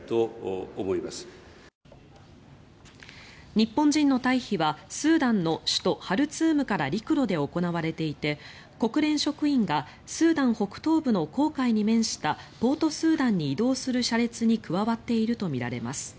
日本人の退避はスーダンの首都ハルツームから陸路で行われていて国連職員がスーダン北東部の紅海に面したポート・スーダンに移動する車列に加わっているとみられます。